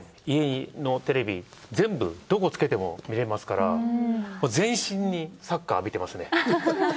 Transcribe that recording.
家のテレビ全部どこつけても見られますから全身にサッカー浴びてますね。